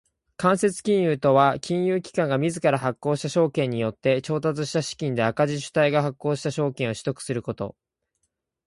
間接金融とは金融機関が自ら発行した証券によって調達した資金で赤字主体が発行した証券を取得すること。